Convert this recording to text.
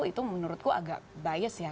itu menurutku agak bias ya